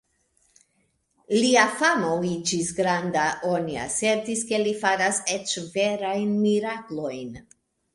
Lia famo iĝis granda; oni asertis ke li faras eĉ verajn miraklojn.